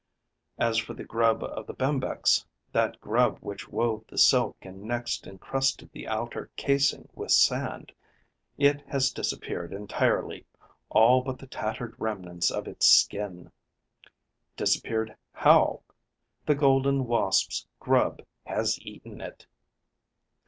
As for the grub of the Bembex, that grub which wove the silk and next encrusted the outer casing with sand, it has disappeared entirely, all but the tattered remnants of its skin. Disappeared how? The Golden Wasp's grub has eaten it.